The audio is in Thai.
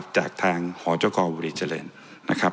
จากทางหจกบุรีเจริญนะครับ